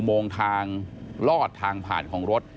โมงทางลอดทางผ่านของรถ